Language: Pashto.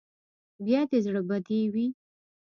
بیا دې زړه بدې وي.